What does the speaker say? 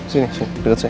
sini sini deket saya